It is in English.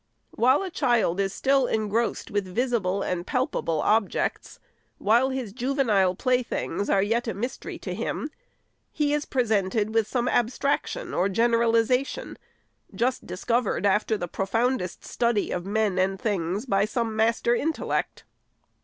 While a child is still engrossed with visible and palpable objects, while his juvenile playthings are yet a mystery to him, he is presented with some abstraction or generalization, just discovered, after the profoundest study of men and things, by some master intellect.